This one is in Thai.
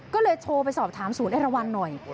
ก็เลยโทรไปสอบถามศูนย์เอราวันหน่อย